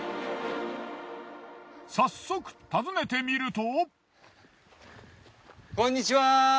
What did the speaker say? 早速訪ねてみると。